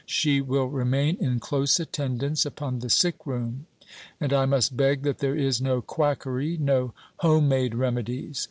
She will remain in close attendance upon the sick room; and I must beg that there is no quackery no home made remedies.